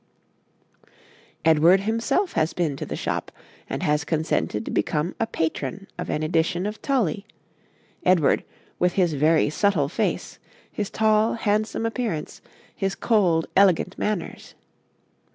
Edward himself has been to the shop and has consented to become patron of an edition of Tully Edward, with his very subtle face, his tall, handsome appearance, his cold, elegant manners.